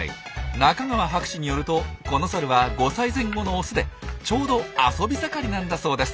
中川博士によるとこのサルは５歳前後のオスでちょうど遊び盛りなんだそうです。